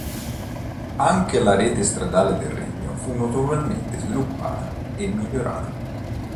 Anche la rete stradale del regno fu notevolmente sviluppata e migliorata.